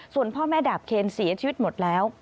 ส่วนพ่อแม่ดาบเคนเสียชีวิตหมดแล้ว